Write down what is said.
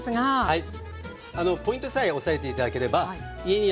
はい。